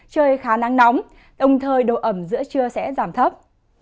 trời khá nắng nóng đồng thời độ ẩm giữa trưa sẽ giảm thấp